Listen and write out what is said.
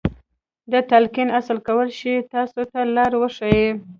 د تلقين اصل کولای شي تاسې ته لار وښيي.